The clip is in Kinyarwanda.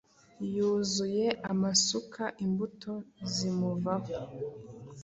yuzuye amasuka, imbuto zimuvaho